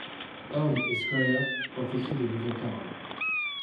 Horn et Squire ont écrit de nouvelles paroles.